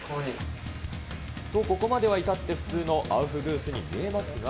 と、ここまではいたって普通のアウフグースに見えますが。